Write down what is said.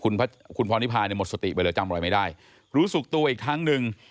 คุณพรนิพาเนี่ยหมดสติไปเลยจำอะไรไม่ได้รู้สึกตัวอีกครั้งหนึ่ง